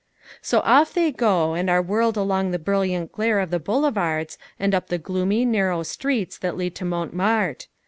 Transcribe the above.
So off they go and are whirled along in the brilliant glare of the boulevards and up the gloomy, narrow streets that lead to Montmartre.